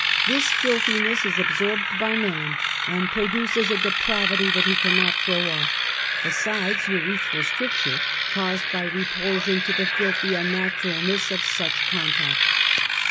This filthiness is absorbed by man and produces a . depravity that he cannot throw off, besides urethral ? stricture caused by repulsion to the filthy unnatu ralness of such contact.